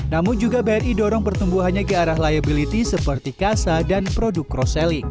namun juga bri dorong pertumbuhannya ke arah liability seperti kasa dan produk cross selling